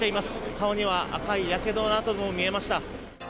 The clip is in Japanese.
顔には赤いやけどの痕も見えました。